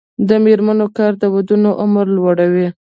د میرمنو کار د ودونو عمر لوړوي.